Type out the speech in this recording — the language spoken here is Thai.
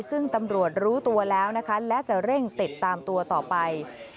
ซึ่งตำรวจรู้ตัวแล้วนะคะและจะเร่งติดตามตัวต่อไป